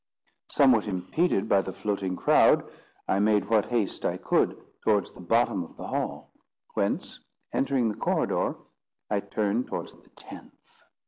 Somewhat impeded by the floating crowd, I made what haste I could towards the bottom of the hall; whence, entering the corridor, I turned towards the tenth.